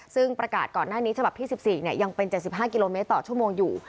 ซึ่งประกาศก่อนหน้านี้ฉบับที่๑๔ยังเป็น๗๕กิโลเมตรต่อชั่วโมงอยู่